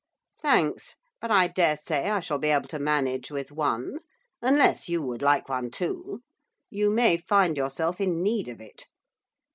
'Thanks, but I daresay I shall be able to manage with one, unless you would like one too. You may find yourself in need of it.